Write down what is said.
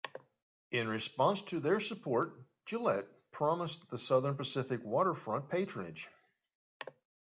In response to their support, Gillett promised the Southern Pacific waterfront patrongage.